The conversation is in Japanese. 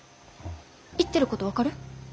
言ってること分かる？